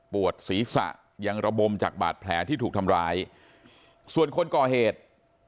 ศีรษะยังระบมจากบาดแผลที่ถูกทำร้ายส่วนคนก่อเหตุ